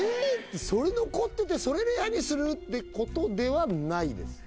それ残っててそれレアにする？ってことではないです